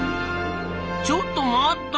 ちょっと待った！